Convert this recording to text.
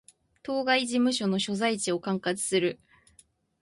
当該事務所の所在地を管轄する